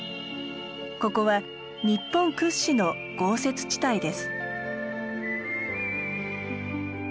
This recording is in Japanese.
ここは日本屈指の豪雪地帯です。